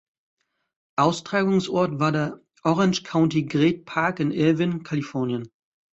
Austragungsort war der Orange County Great Park in Irvine, Kalifornien.